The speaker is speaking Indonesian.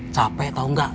capek tau gak